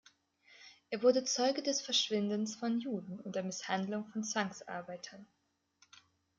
Er wurde Zeuge des „Verschwindens“ von Juden und der Misshandlung von Zwangsarbeitern.